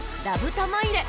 玉入れ